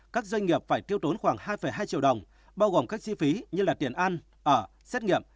các doanh nghiệp phải tiêu tốn khoảng hai hai triệu đồng bao gồm các chi phí như tiền ăn ở xét nghiệm